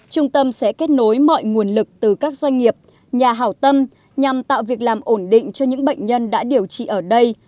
trung tâm sẽ kết nối mọi nguồn lực từ các doanh nghiệp nhà hảo tâm nhằm tạo việc làm ổn định cho những bệnh nhân đã điều trị ở đây